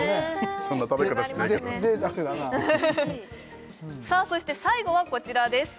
そんな食べ方しないけど贅沢だなそして最後はこちらです